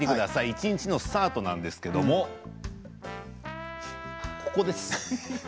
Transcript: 一日のスタートなんですけれどここです。